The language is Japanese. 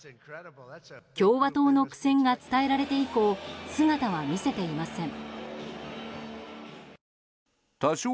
共和党の苦戦が伝えられて以降姿は見せていません。